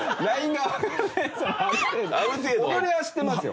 踊りは知ってますよ。